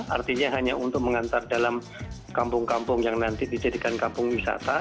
artinya hanya untuk mengantar dalam kampung kampung yang nanti dijadikan kampung wisata